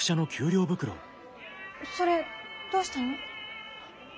それどうしたの？